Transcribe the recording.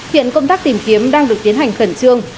hiện công tác tìm kiếm đang được tiến hành khẩn trương